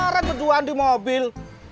ntaran berduaan di mobil